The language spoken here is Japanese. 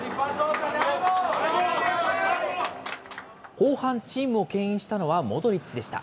後半、チームをけん引したのはモドリッチでした。